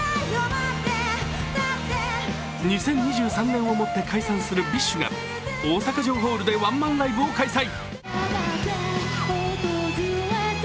２０２３年をもって解散するＢｉＳＨが大阪城ホールでワンマンライブを開催。